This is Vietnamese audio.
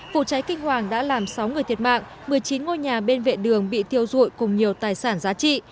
vụ cháy kinh hoàng đã làm sáu người thiệt mạng một mươi chín ngôi nhà bên vệ đường bị thiêu dụi cùng nhiều tài sản giá trị